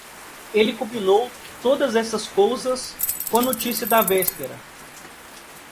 Ele combinou todas essas cousas com a notícia da véspera.